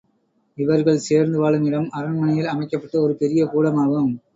இவர்கள் சேர்ந்து வாழும் இடம் அரண்மனையில் அமைக்கப்பட்ட ஒரு பெரிய கூடமாகும்.